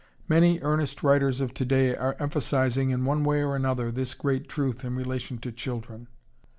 Many earnest writers of to day are emphasizing in one way or another this great truth in relation to children.